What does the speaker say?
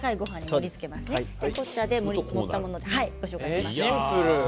盛りつけたものでご紹介します。